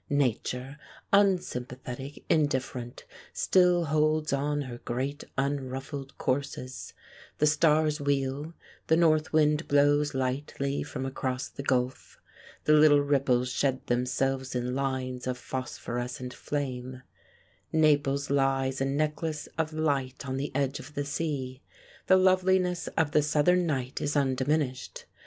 Nature, unsympathetic, indiffer ent, still holds on her great unruffled courses; the stars wheel, the north wind blows lightly from across the gulf; the little ripples shed themselves in lines of phosphorescent flame ; Naples lies a necklace of light on the edge of the sea, the loveliness of the Southern night is undiminished.